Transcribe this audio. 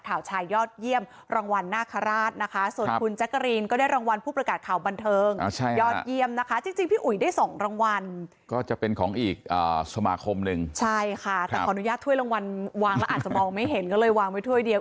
ถ้วยรางวัลวางแล้วอาจจะมองไม่เห็นก็เลยวางไว้ถ้วยเดียว